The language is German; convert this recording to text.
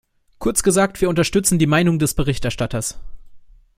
Kurz gesagt, wir unterstützen die Meinung des Berichterstatters.